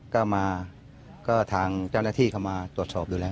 ก็มาก็ทางเจ้าหน้าที่เข้ามาตรวจสอบดูแล